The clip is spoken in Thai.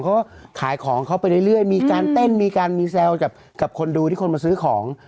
เขาก็ขายของเขาไปเรื่อยมีการเต้นมีการมีแซวกับคนดูที่คนมาซื้อของ